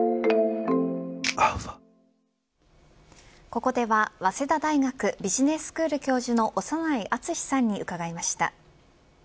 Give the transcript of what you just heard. ここでは、早稲田大学ビジネススクール教授の長内厚さんに伺いました。